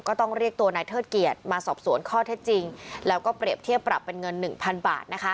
ก็ต้องเรียกตัวนายเทิดเกียรติมาสอบสวนข้อเท็จจริงแล้วก็เปรียบเทียบปรับเป็นเงินหนึ่งพันบาทนะคะ